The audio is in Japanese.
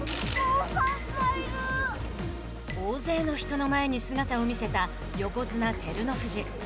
大勢の人の前に姿を見せた横綱・照ノ富士。